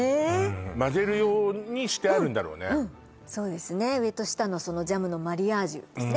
混ぜるようにしてあるんだろうねそうですね上と下のそのジャムのマリアージュですね